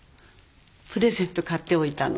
プレゼント買っておいたの。